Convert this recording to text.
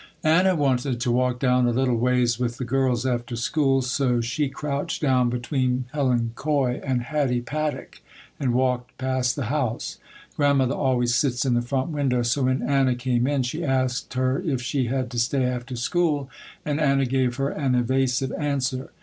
Anna wanted to walk down a little ways with the girls after school so she crouched down between Helen Coy and Hattie Paddock and walked past the house. Grandmother always sits in the front window, so when Anna came in she asked her if she had to stay after school and Anna gave her an evasive answer.